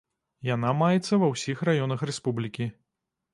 Яна маецца ва ўсіх раёнах рэспублікі.